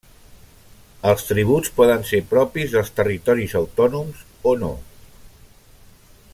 Els tributs poden ser propis dels territoris autònoms o no.